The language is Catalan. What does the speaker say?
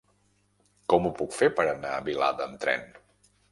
Com ho puc fer per anar a Vilada amb tren?